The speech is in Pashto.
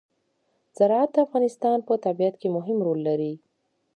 زراعت د افغانستان په طبیعت کې مهم رول لري.